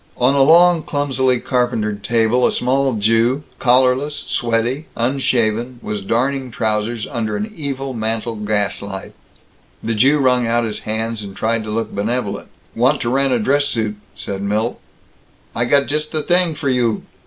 On a long, clumsily carpentered table, a small Jew, collarless, sweaty, unshaven, was darning trousers under an evil mantle gaslight. The Jew wrung out his hands and tried to look benevolent. "Want to rent a dress suit," said Milt. "I got just the t'ing for you!"